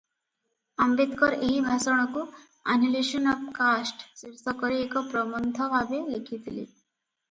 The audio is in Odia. "ଆମ୍ବେଦକର ଏହି ଭାଷଣକୁ "ଆନିହିଲେସନ ଅଫ କାଷ୍ଟ" ଶୀର୍ଷକରେ ଏକ ପ୍ରବନ୍ଧ ଭାବରେ ଲେଖିଥିଲେ ।"